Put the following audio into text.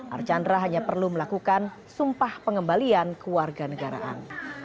archandra hanya perlu melakukan sumpah pengembalian kewarganegaraan